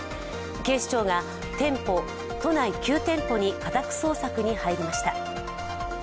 警視庁が都内９店舗に家宅捜索に入りました。